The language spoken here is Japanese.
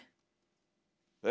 え？